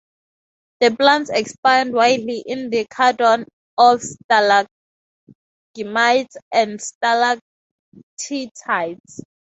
The plants expand wildly in the cordon of stalagmites and stalactites.